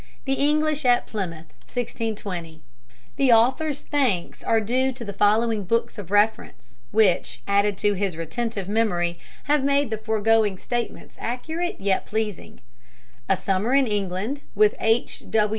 The English at Plymouth 1620. The author's thanks are due to the following books of reference, which, added to his retentive memory, have made the foregoing statements accurate yet pleasing: A Summer in England with H.